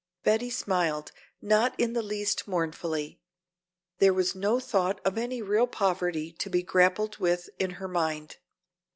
Betty smiled, not in the least mournfully. There was no thought of any real poverty to be grappled with in her mind.